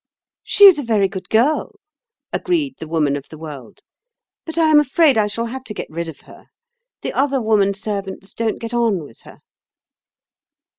"She is a very good girl," agreed the Woman of the World; "but I am afraid I shall have to get rid of her. The other woman servants don't get on with her."